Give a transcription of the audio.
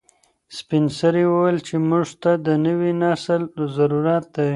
سپین سرې وویل چې موږ ته د نوي نسل ضرورت دی.